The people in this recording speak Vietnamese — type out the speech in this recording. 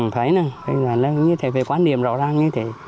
thấy nè về quan điểm rõ ràng như thế